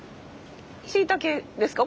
しいたけですか？